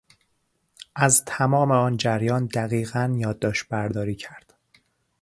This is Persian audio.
از تمام آن جریان دقیقا یادداشت برداری کرد.